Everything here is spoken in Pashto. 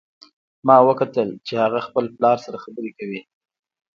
ما وکتل چې هغه خپل پلار سره خبرې کوي